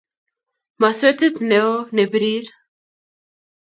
Maswetit ne o ne birir.